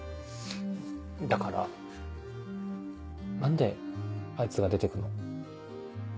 だから何であいつが出てくの？